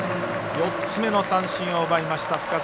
４つ目の三振を奪いました深沢。